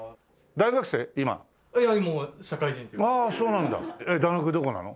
大学どこなの？